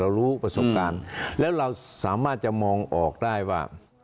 รู้ประสบการณ์แล้วเราสามารถจะมองออกได้ว่า